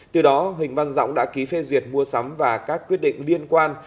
từ đó hình văn rõng đã ký phê duyệt mua sắm và các quyết định liên quan